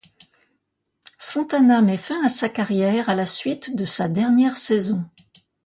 Fontana met fin à sa carrière à la suite de sa dernière saison.